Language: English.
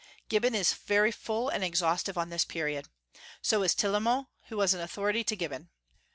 Gibbon is very full and exhaustive on this period. So is Tillemont, who was an authority to Gibbon.